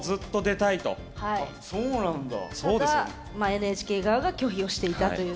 ただＮＨＫ側が拒否をしていたという。